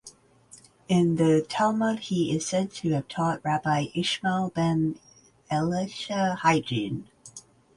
In the Talmud he is said to have taught Rabbi Ishmael ben Elisha hygiene.